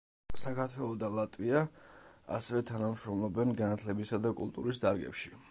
საქართველო და ლატვია ასევე თანამშრომლობენ განათლებისა და კულტურის დარგებში.